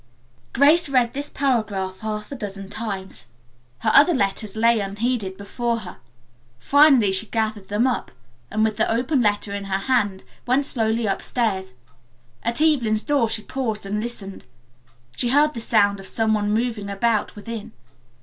Grace read this paragraph half a dozen times. Her other letters lay unheeded before her. Finally she gathered them up and, with the open letter in her hand, went slowly upstairs. At Evelyn's door she paused and listened. She heard the sound of some one moving about within.